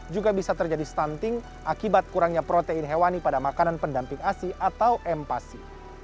juga bisa terjadi stunting akibat kurangnya protein hewani pada makanan pendamping asi atau empasi